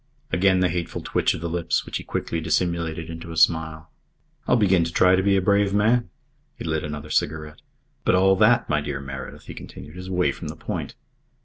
Again the hateful twitch of the lips, which he quickly dissimulated in a smile. "I'll begin to try to be a brave man." He lit another cigarette. "But all that, my dear Meredyth," he continued, "is away from the point.